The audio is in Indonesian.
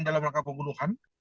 dalam langkah pembunuhan